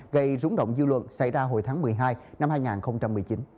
gây rúng động dư luận xảy ra hồi tháng một mươi hai năm hai nghìn một mươi chín